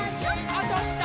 あ、どした！